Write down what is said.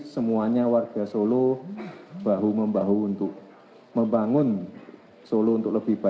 semuanya warga solo bahu membahu untuk membangun solo untuk lebih baik